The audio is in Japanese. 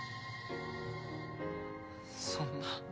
そんな。